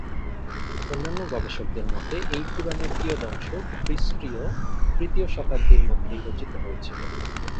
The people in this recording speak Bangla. অন্যান্য গবেষকদের মতে, এই পুরাণের কিয়দংশ খ্রিস্টীয় তৃতীয় শতাব্দীর মধ্যেই রচিত হয়েছিল।